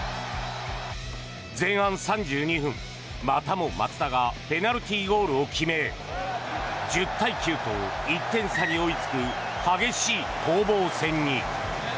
前半３２分、またも松田がペナルティーゴールを決め１０対９と１点差に追いつく激しい攻防戦に。